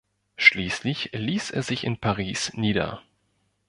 Schließlich ließ er sich in Paris nieder.